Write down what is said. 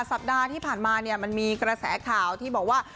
สัปดาห์ที่ผ่านมาเนี่ยมันมีกระแสข่าวที่บอกว่า